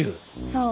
そう。